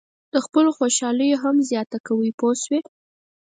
د خپلو خوشالیو هم زیاته کوئ پوه شوې!.